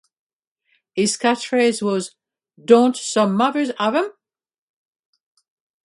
His catchphrase was Don't some mothers 'ave 'em!